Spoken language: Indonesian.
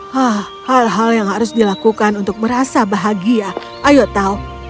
hah hal hal yang harus dilakukan untuk merasa bahagia ayo tahu